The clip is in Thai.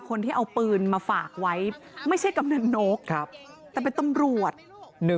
คนที่เอาปืนมาฝากไว้ไม่ใช่กำนันนกแต่เป็นตำรวจ